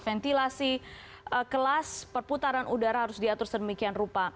ventilasi kelas perputaran udara harus diatur sedemikian rupa